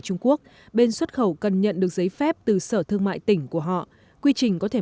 trung quốc bên xuất khẩu cần nhận được giấy phép từ sở thương mại tỉnh của họ quy trình có thể